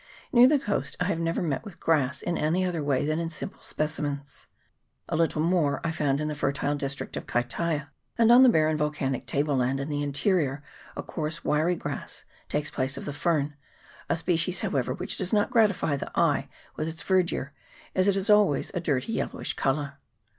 Near the coast I have never met with grass in any other way than in simple specimens. A little more I found in the fertile district of Kaitaia ; and on the barren volcanic table land in the interior a coarse wiry grass takes the place of the fern, a species, however, which does not gratify the eye with its verdure, as it has always a dirty yellowish colour.